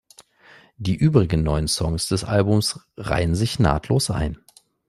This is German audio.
Die übrigen neun Songs des Albums reihen sich nahtlos ein.